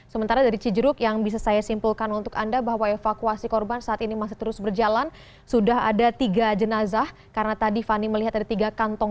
sementara dari cijeruk yang bisa saya simpulkan untuk anda bahwa evakuasi korban saat ini masih terus berjalan sudah ada tiga jenazah karena tadi fani melihat ada tiga kantong